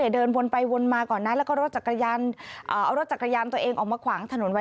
เดินวนไปวนมาก่อนนะแล้วก็รถจักรยานเอารถจักรยานตัวเองออกมาขวางถนนไว้